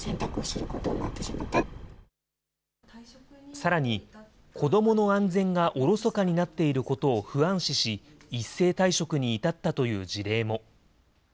さらに、子どもの安全がおろそかになっていることを不安視し、一斉退職に至ったという事例も。